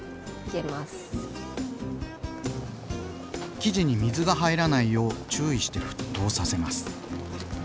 生地に水が入らないよう注意して沸騰させます。